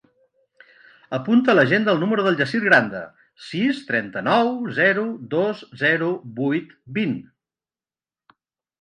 Apunta a l'agenda el número del Yassir Granda: sis, trenta-nou, zero, dos, zero, vuit, vint.